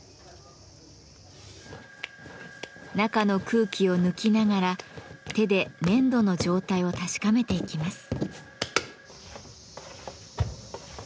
中の空気を抜きながら手で粘土の状態を確かめていきます。